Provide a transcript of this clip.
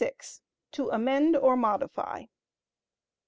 To Amend or Modify.